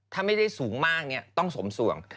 ถ้าไม่ได้สูงมากต้องสมส่วง